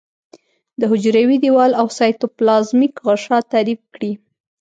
د حجروي دیوال او سایتوپلازمیک غشا تعریف کړي.